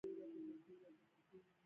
په پایله کې د اضافي ارزښت بیه پورته ځي